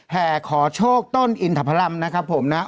แห่ขอโชคต้นอินทพรรมนะครับผมนะ